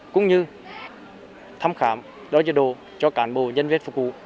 cũng như thăm khám đối với đồ cho cán bộ nhân viên phục vụ